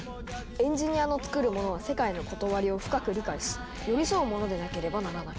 エンジニアの作るものは世界のことわりを深く理解し寄り添うものでなければならない。